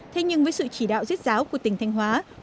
thế nhưng với sự chỉ đạo riết giáo của tỉnh thanh hóa